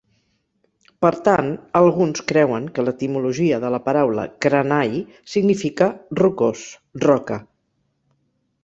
Per tant, alguns creuen que l'etimologia de la paraula Kranai significa "rocós, roca".